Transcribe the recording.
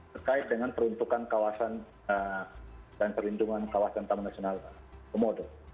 terkait dengan perlindungan kawasan tahun nasional komodo